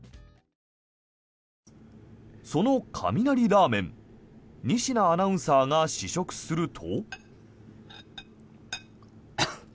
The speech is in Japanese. その雷ラーメン仁科アナウンサーが試食すると。